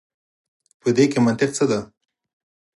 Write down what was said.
په دې کي منطق څه دی.